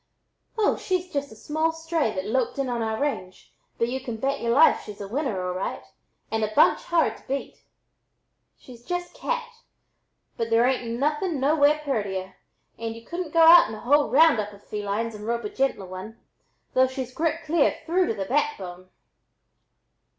"Oh, she's just a small stray that loped in on our range, but y'u can bet ye'r life she's a winner all right and a bunch hard to beat. She's 'just cat,' but there ain't nothing nowhere purtier, and y'u couldn't go out in a whole round up of felines and rope a gentler one, though she's grit clear through to the backbone."